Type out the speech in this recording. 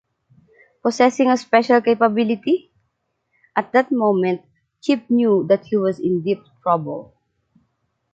«Possessing a special capability»? At that moment, Chip knew that he was in deep trouble.